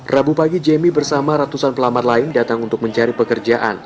rabu pagi jamie bersama ratusan pelamat lain datang untuk mencari pekerjaan